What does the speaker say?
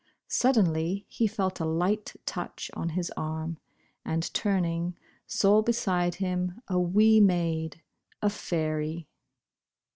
Suddenly, he felt a light touch on his arm, and turning, saw beside him a wee maid — a fairy.